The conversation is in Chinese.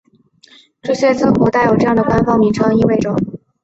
这些字符带有这样的官方名称意味着用于表示音标。